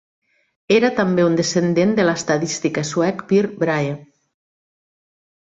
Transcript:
Era també un descendent de l'estadista suec Per Brahe.